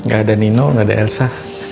gak ada nino nggak ada elsa